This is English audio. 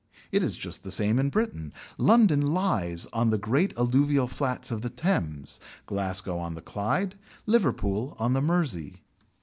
It is just the same in Britain. London lies on the great alluvial flats of the Thames, Glasgow on the Clyde, Liverpool on the Mersey.